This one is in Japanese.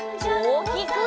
おおきく！